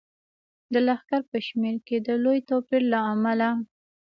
د لښکر په شمیر کې د لوی توپیر له امله.